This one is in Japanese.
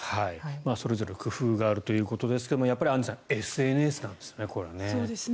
それぞれ工夫があるということですがやっぱりアンジュさんＳＮＳなんですね、これはね。